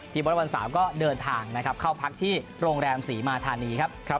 บอลวัน๓ก็เดินทางนะครับเข้าพักที่โรงแรมศรีมาธานีครับ